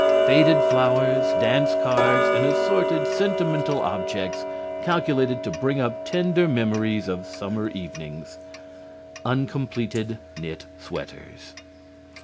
Faded flowers, dance cards and assorted sentimental objects, calculated to bring up tender memories of summer evenings. Uncompleted knit sweaters.